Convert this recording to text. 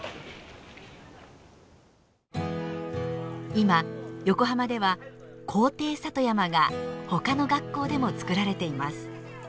今横浜では「校庭里山」が他の学校でも造られています。